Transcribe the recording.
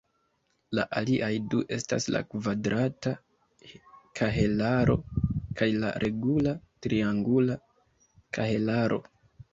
La aliaj du estas la kvadrata kahelaro kaj la regula triangula kahelaro.